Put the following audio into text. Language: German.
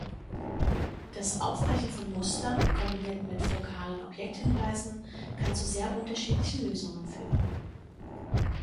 Das Aufbrechen von Mustern, kombiniert mit fokalen Objekthinweisen, kann zu sehr unterschiedlichen Lösungen führen.